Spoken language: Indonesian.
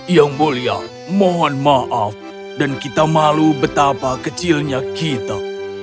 yang mulia mohon maaf dan kita malu betapa kecilnya kita